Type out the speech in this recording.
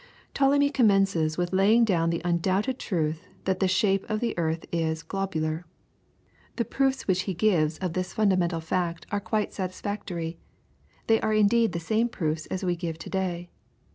Ptolemy commences with laying down the undoubted truth that the shape of the earth is globular. The proofs which he gives of this fundamental fact are quite satisfactory; they are indeed the same proofs as we give today.